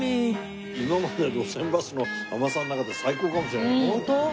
今までの『路線バス』の甘さの中で最高かもしれない。